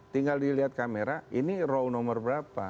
tinggal dilihat kamera ini role nomor berapa